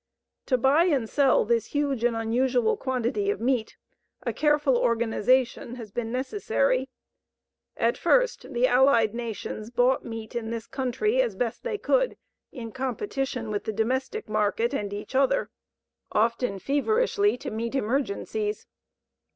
To buy and sell this huge and unusual quantity of meat, a careful organization has been necessary. At first the Allied nations bought meat in this country as best they could in competition with the domestic market and each other, often feverishly to meet emergencies.